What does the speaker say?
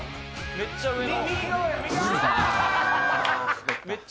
めっちゃ上の。